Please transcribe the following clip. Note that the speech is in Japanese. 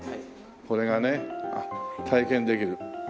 これがね体験できる。